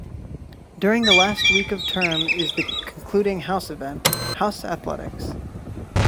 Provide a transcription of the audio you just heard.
During the last week of term is the concluding House Event, House Athletics.